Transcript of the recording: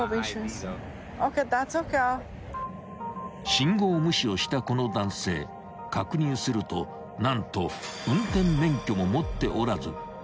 ［信号無視をしたこの男性確認すると何と運転免許も持っておらず］